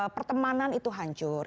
pertemanan itu hancur